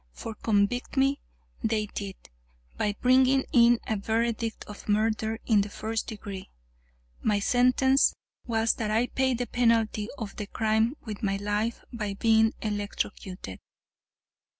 For convict me they did, by bringing in a verdict of murder in the first degree. My sentence was that I pay the penalty of the crime with my life by being electrocuted.